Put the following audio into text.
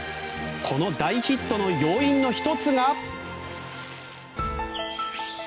この大ヒットの要因の１つが。